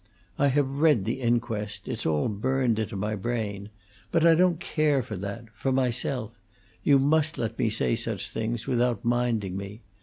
I have read the inquest; it's all burned into my brain. But I don't care for that for myself: you must let me say such things without minding me.